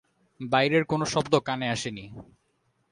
বাইরের কোনো শব্দ কানে আসে নি।